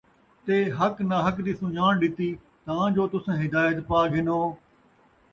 تے حق نا حق دِی سُن٘ڄاݨ ݙِتی، تاں جو تُساں ہدایت پا گِھنو ۔